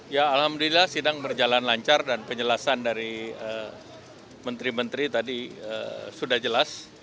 ya alhamdulillah sidang berjalan lancar dan penjelasan dari menteri menteri tadi sudah jelas